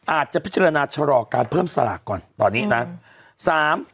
อาจจะพิจารณาชะลอการเพิ่มสลากก่อนตอนนี้นะ